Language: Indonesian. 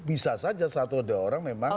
bisa saja satu ada orang memang